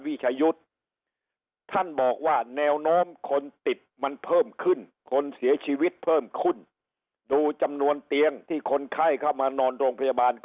ท่านบอกว่าแนวโน้มคนติดมันเพิ่มขึ้นคนเสียชีวิตเพิ่มขึ้นดูจำนวนเตียงที่คนไข้เข้ามานอนโรงพยาบาลก็